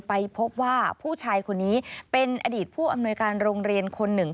ไปพบว่าผู้ชายคนนี้เป็นอดีตผู้อำนวยการโรงเรียนคนหนึ่ง